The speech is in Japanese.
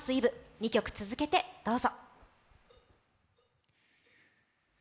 ２曲続けてどうぞ。